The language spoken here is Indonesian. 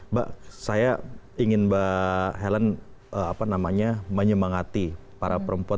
mbak saya ingin mbak ellen apa namanya menyemangati para perempuan